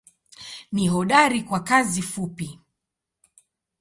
Ni hodari kwa kazi fupi.